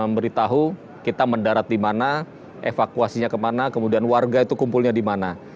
karena ini kita sudah memberitahu kita mendarat dimana evakuasinya kemana kemudian warga itu kumpulnya dimana